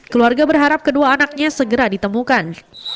keluarga berharap kedua anaknya segera ditemukan